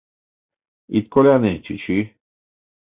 Ит коляне, чӱчӱ!